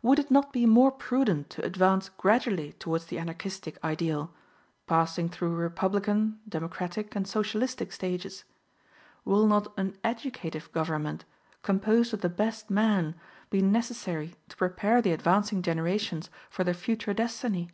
Would it not be more prudent to advance gradually towards the Anarchistic ideal, passing through Republican, Democratic and Socialistic stages? Will not an educative government, composed of the best men, be necessary to prepare the advancing generations for their future destiny?